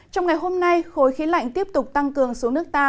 trong ngày hôm nay khối khí lạnh tiếp tục tăng cường xuống nước ta